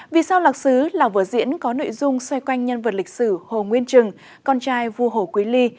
vì sao lạc xứ là vở diễn có nội dung xoay quanh nhân vật lịch sử hồ nguyên trừng con trai vua hồ quý ly